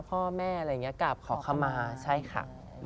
พ่อแม่อะไรอย่างนี้กลับขอคำมาใช่ค่ะ